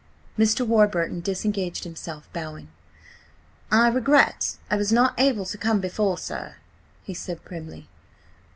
Mr. Warburton disengaged himself, bowing. "I regret I was not able to come before, sir," he said primly.